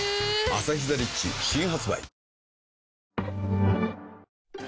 「アサヒザ・リッチ」新発売